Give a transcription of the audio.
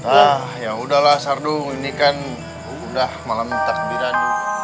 ah ya udahlah sardu ini kan udah malam takbiran